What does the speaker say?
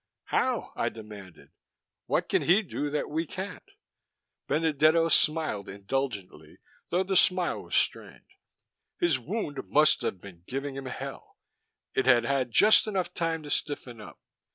"How?" I demanded. "What can he do that we can't?" Benedetto smiled indulgently, though the smile was strained. His wound must have been giving him hell; it had had just enough time to stiffen up.